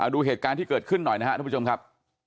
ดูเหตุการณ์ที่เกิดขึ้นหน่อยนะครับทุกผู้ชมครับ